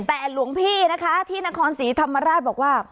แต่หลวงพี่นะคะที่นครศรีธรรมราชบอกว่า